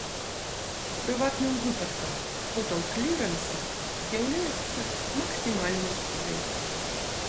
Прыватным выпадкам тотал-клірэнса з'яўляецца максімальны брэйк.